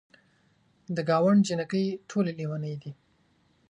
د ګاونډ جینکۍ ټولې لیونۍ دي.